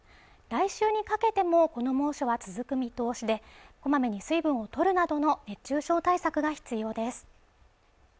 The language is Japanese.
来週にかけてもこの猛暑が続く見通しでこまめに水分をとるなどの熱中症対策が必要です